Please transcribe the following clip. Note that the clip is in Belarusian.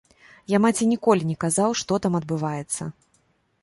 Я маці ніколі не казаў, што там адбываецца.